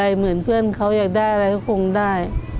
เหมือนเพื่อนเขาอยากได้อะไรก็คงได้